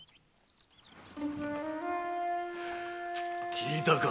聞いたか？